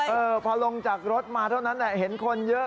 เออพอลงจากรถมาเท่านั้นเห็นคนเยอะ